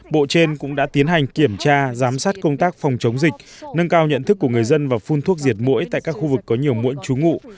bộ trên cũng đã tiến hành kiểm tra giám sát công tác phòng chống dịch nâng cao nhận thức của người dân và phun thuốc diệt mũi tại các khu vực có nhiều mũi trú ngụ